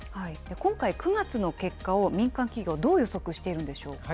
今回、９月の結果を民間企業、どう予測しているんでしょうか。